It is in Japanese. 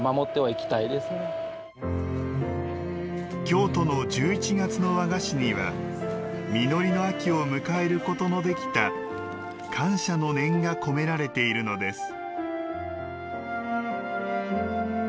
京都の１１月の和菓子には実りの秋を迎えることのできた感謝の念が込められているのです。